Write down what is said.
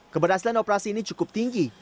keberhasilan operasi ini cukup tinggi